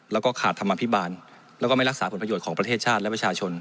แล้วก็ขาดธรรมอภิบาลแล้วก็ไม่รักษาผลประโยชน์ของประเทศชาติและประชาชน